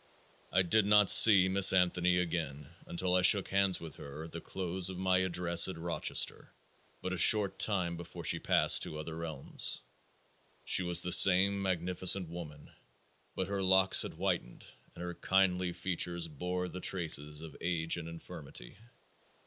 I did not see Miss Anthony again until I shook hands with her at the close of my address in Rochester, but a short time before she passed to other realms. She was the same magnificent woman, but her locks had whitened and her kindly features bore the traces of age and infirmity.